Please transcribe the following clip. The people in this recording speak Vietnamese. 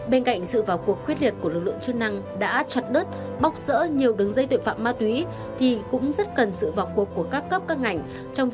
bên cạnh sự vào cuộc quyết liệt của lực lượng chức năng đã chặt đứt bóc rỡ nhiều đứng dây tội phạm ma túy thì cũng rất cần sự vào cuộc của các cấp các ngành